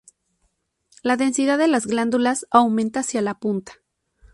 La densidad de las glándulas aumenta hacia la punta.